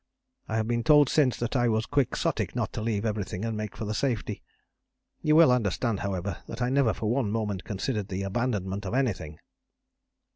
I have been told since that I was quixotic not to leave everything and make for safety. You will understand, however, that I never for one moment considered the abandonment of anything.